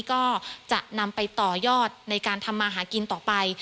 ก็จะนำไปต่อยอดในการทำมาหากินต่อไป